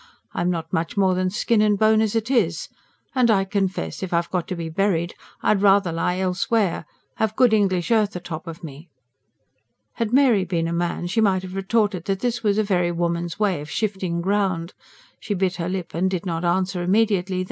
I'm not much more than skin and bone as it is. And I confess, if I've got to be buried I'd rather lie elsewhere have good English earth atop of me." Had Mary been a man, she might have retorted that this was a very woman's way of shifting ground. She bit her lip and did not answer immediately.